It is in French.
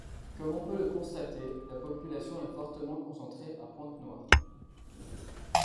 Comme on peut le constater, la population est fortement concentrée à Pointe-Noire.